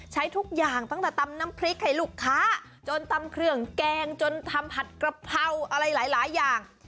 ใช้ทุกอย่างตั้งแต่ตำน้ำพริกให้ลูกค้าจนตำเครื่องแกงจนทำผัดกระเพราอะไรหลายอย่าง